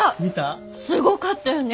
すごかったよね。